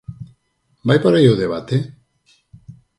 Vai por aí o debate?